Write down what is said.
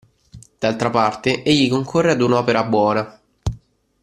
D'altra parte egli concorre ad un'opera buona.